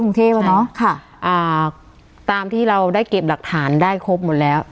กรุงเทพอ่ะเนอะค่ะอ่าตามที่เราได้เก็บหลักฐานได้ครบหมดแล้ว